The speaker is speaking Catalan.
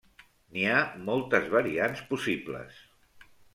N'hi ha moltes variants possibles.